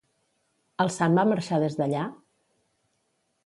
El sant va marxar des d'allà?